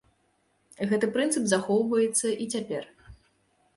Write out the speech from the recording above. Гэты прынцып захоўваецца і цяпер.